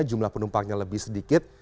jumlah penumpangnya lebih sedikit